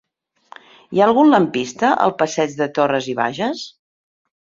Hi ha algun lampista al passeig de Torras i Bages?